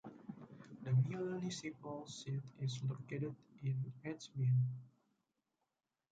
The municipal seat is located in Edsbyn.